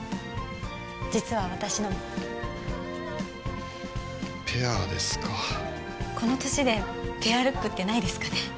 実は私のもペアですかこの年でペアルックってないですかね？